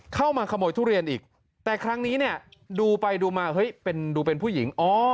เข้ามาขโมยทุเรียนอีกแต่ครั้งนี้เนี่ยดูไปดูมาเฮ้ยดูเป็นผู้หญิง